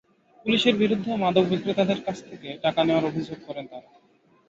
পুলিশের বিরুদ্ধেও মাদক বিক্রেতাদের কাছ থেকে টাকা নেওয়ার অভিযোগ করেন তাঁরা।